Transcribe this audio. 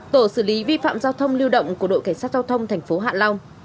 tổ xử lý vi phạm giao thông lưu động của đội cảnh sát giao thông thành phố hạ long